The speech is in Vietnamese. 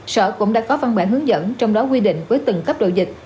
sở cũng đã có văn bản hướng dẫn trong đó quy định với từng cấp độ dịch